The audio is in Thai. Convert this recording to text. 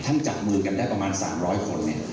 ทั้งจัดมือกันได้ประมาณ๓๐๐คน